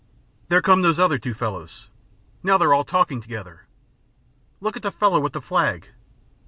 There come those other two fellows. Now they're all talking together. Look at the fellow with the flag.